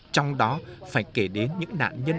trong đó phải kể đến những nạn nhân